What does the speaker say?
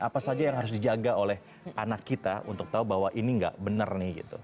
apa saja yang harus dijaga oleh anak kita untuk tahu bahwa ini nggak benar nih